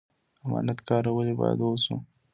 امانت کاره ولې باید اوسو؟